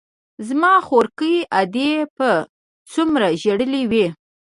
زما خواركۍ ادې به څومره ژړلي وي.